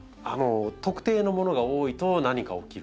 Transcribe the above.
特定のものが多いと何か起きる。